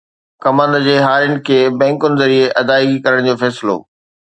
ڪمند جي هارين کي بئنڪن ذريعي ادائيگي ڪرڻ جو فيصلو